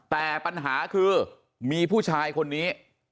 แต่ปัญหาคือมีผู้ชายคนนี้